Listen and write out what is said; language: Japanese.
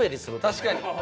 確かに。